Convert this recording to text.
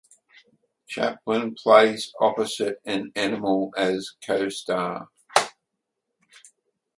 Chaplin plays opposite an animal as "co-star".